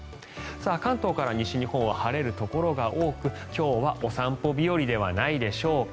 関東から西日本は晴れるところが多く今日はお散歩日和ではないでしょうか。